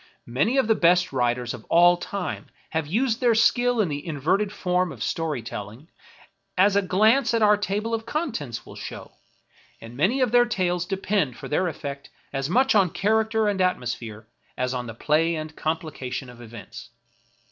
Many of the best writ ers of all time have used their skill in the inverted form of story telling, as a glance at our table of contents will show ; and many of their tales depend for their efifect as much on character and atmosphere as on the play and complication of events.